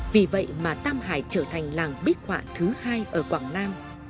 vì vậy mà tam hải trở thành làng bích họa thứ hai ở quảng nam